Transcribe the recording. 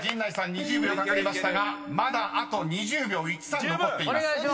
２０秒かかりましたがまだあと２０秒１３残っています］